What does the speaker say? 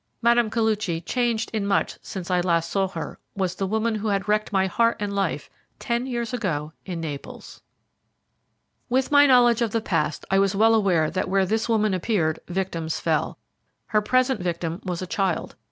Mme. Koluchy, changed in much since I last saw her, was the woman who had wrecked my heart and life ten years ago in Naples. With my knowledge of the past, I was well aware that where this woman appeared victims fell. Her present victim was a child.